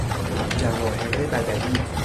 جواهر بدلی